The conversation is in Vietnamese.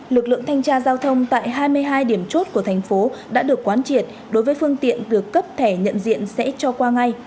lực lượng thanh tra giao thông tại hai mươi hai điểm chốt của thành phố đã được quán triệt đối với phương tiện được cấp thẻ nhận diện sẽ cho qua ngay